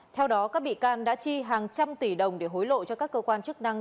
theo đó các bị can đã chi hàng trăm tỷ đồng để hối lộ cho các cơ quan chức năng